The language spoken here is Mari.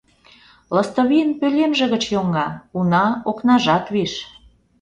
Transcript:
Лыстывийын пӧлемже гыч йоҥга, уна, окнажат виш.